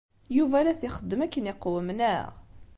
Yuba la t-ixeddem akken yeqwem, naɣ?